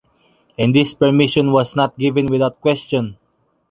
And this permission was not given without question.